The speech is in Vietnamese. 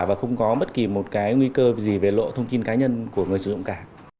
và không có bất kỳ một cái nguy cơ gì về lộ thông tin cá nhân của người sử dụng cả